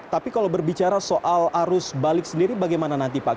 tapi kalau berbicara soal arus balik sendiri bagaimana nanti pak